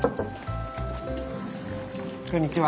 こんにちは。